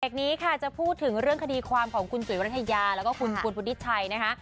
นี้ค่ะจะพูดถึงเรื่องคดีความของคุณจุ๋ยวรัฐยาแล้วก็คุณพุทธิชัยนะคะ